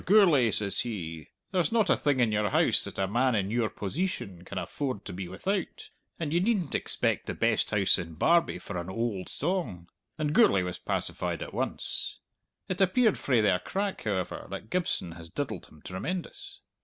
Gourlay,' says he, 'there's not a thing in your house that a man in your poseetion can afford to be without, and ye needn't expect the best house in Barbie for an oald song!' And Gourlay was pacified at once! It appeared frae their crack, however, that Gibson has diddled him tremendous.